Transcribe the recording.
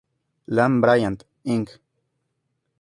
Lane Bryant, Inc.